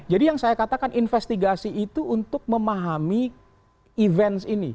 jadi saya katakan investigasi itu untuk memahami event ini